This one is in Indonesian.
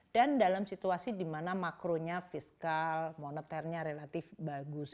dan dalam situasi dimana makronya fiskal monetarnya relatif bagus